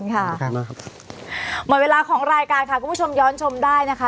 หมดเวลาของรายการค่ะคุณผู้ชมย้อนชมได้นะคะ